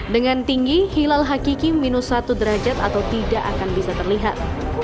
dengan tinggi hilal hakiki minus satu derajat atau tidak akan bisa terlihat